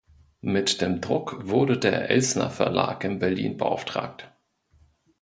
Mit dem Druck wurde der Elsner-Verlag in Berlin beauftragt.